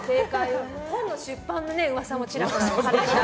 本の出版の噂もちらほら。